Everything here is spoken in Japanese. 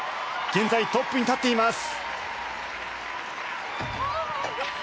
現在トップに立っています。